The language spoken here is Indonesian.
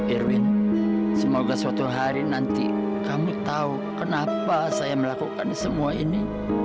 irwin semoga suatu hari nanti kamu tahu kenapa saya melakukan semua ini